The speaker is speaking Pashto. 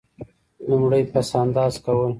لومړی: پس انداز کول.